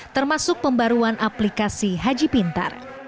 termasuk pembaruan aplikasi haji pintar